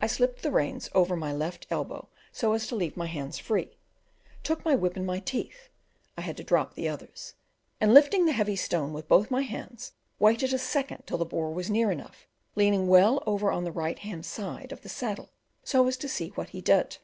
I slipped the reins over my left elbow, so as to leave my hands free, took my whip in my teeth (I had to drop the others), and lifting the heavy stone with both my hands waited a second till the boar was near enough, leaning well over on the right hand side of the saddle so as to see what he did.